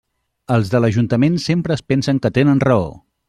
Els de l'ajuntament sempre es pensen que tenen raó.